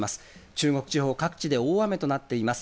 中国地方、各地で大雨となっています。